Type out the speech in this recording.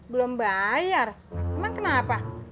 belum bayar emang kenapa